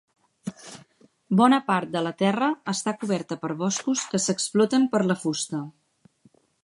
Bona part de la terra està coberta per boscos que s'exploten per la fusta.